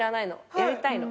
やりたいの。